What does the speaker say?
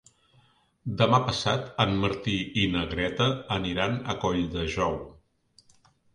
Demà passat en Martí i na Greta aniran a Colldejou.